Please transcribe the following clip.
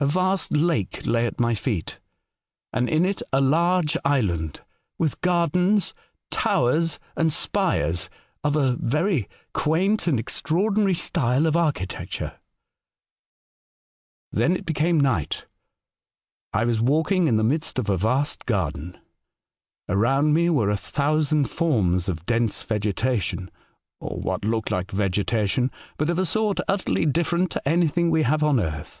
A vast lake lay at my feet, and in it a large island with K^ A Strange Letter. ^7 gardens, towers, and spires of a very quaint and extraordinary style of architecture. "Then it became night. I was walking in the midst of a vast garden. Around me were a thousand forms of dense vegetation — or what looked like vegetation — but of a sort utterly different to anything we have on earth.